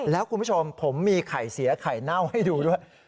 แล้วคุณผู้ชมผมมีไข่เสียไข่เน่าให้ดูด้วย